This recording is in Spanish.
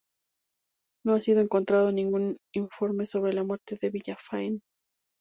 No ha sido encontrado ningún informe sobre la muerte de Villafañe.